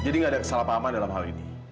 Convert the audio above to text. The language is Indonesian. jadi gak ada kesalahpahaman dalam hal ini